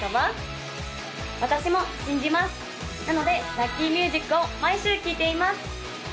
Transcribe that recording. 私も信じますなのでラッキーミュージックを毎週聴いています